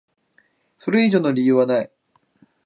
それ以上の理由はない。